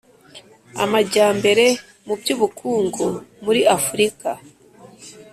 Amajyambere mu by ubukungu muri afurika